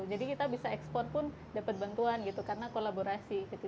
jadi kita bisa ekspor pun dapat bantuan gitu karena kolaborasi gitu